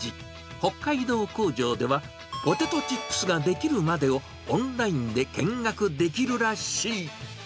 北海道工場では、ポテトチップスが出来るまでをオンラインで見学できるらしい。